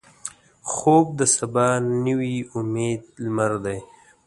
خوب د سبا نوې امیدي لمر دی